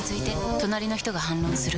隣の人が反論する。